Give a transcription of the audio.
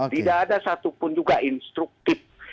tidak ada satupun juga instruktif